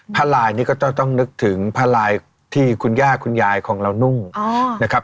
ลายนี่ก็ต้องนึกถึงผ้าลายที่คุณย่าคุณยายของเรานุ่งนะครับ